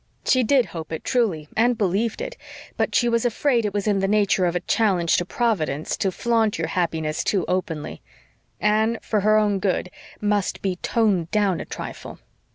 She did hope it truly, and believed it, but she was afraid it was in the nature of a challenge to Providence to flaunt your happiness too openly. Anne, for her own good, must be toned down a trifle.